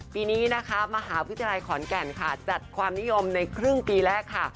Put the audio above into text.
ปีนี้นะคะมหาวิทยาลัยขอนแก่นค่ะจัดความนิยมในครึ่งปีแรกค่ะ